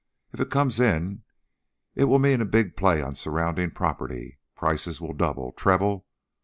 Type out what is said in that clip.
If it comes in, it will mean a big play on surrounding property; prices will double, treble.